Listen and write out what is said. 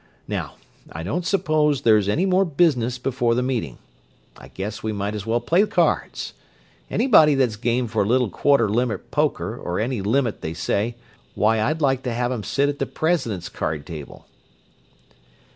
Now, I don't suppose there's any more business before the meeting. I guess we might as well play cards. Anybody that's game for a little quarter limit poker or any limit they say, why I'd like to have 'em sit at the president's card table."